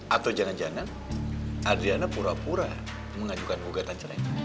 atau jangan jangan andrena pura pura mengajukan gugatan cerainya